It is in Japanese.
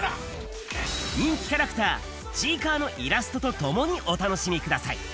人気キャラクター、ちいかわのイラストとともにお楽しみください。